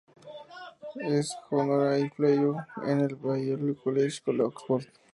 Es "Honorary Fellow", en el Balliol College de Oxford.